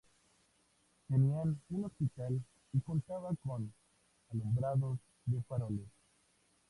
Tenían un hospital y contaba con alumbrados de faroles.